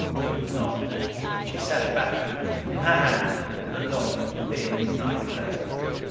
She was not. She sat back from me; in her hand was a long thin knife blade.